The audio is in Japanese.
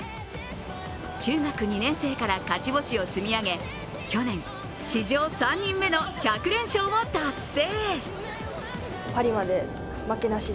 中学２年生から勝ち星を積み上げ去年、去年、史上３人目の１００連勝を達成。